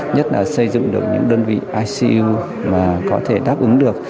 nhất là xây dựng được những đơn vị icu mà có thể đáp ứng được